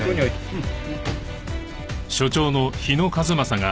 うん。